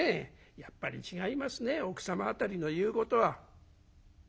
やっぱり違いますね奥様辺りの言うことは」。